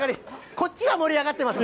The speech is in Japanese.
こっちは盛り上がってます。